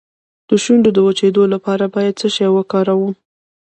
د شونډو د وچیدو لپاره باید څه شی وکاروم؟